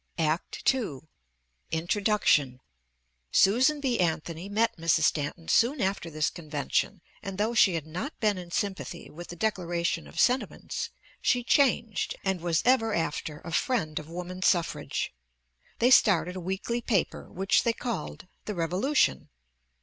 ACT II. INTRODUCTION: Susan B. Anthony met Mrs. Stanton soon after this convention and though she had not been in sympathy with the "Declaration of Sentiments" she changed and was ever after a friend of women's suffrage. They started a weekly paper which they called "The Revolution."